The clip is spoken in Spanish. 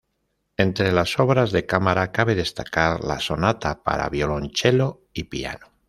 Entre las obras de cámara cabe destacar la "Sonata para violonchelo y piano".